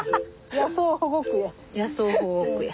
野草保護区や。